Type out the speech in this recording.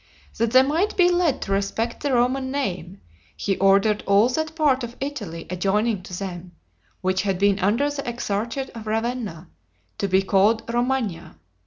That they might be led to respect the Roman name, he ordered all that part of Italy adjoining to them, which had been under the exarchate of Ravenna, to be called Romagna.